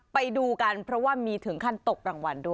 ไปดูกันเพราะว่ามีถึงขั้นตกรางวัลด้วย